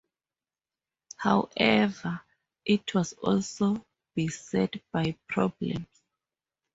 However, it was also beset by problems.